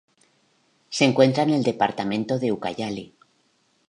Se encuentra en el departamento de Ucayali.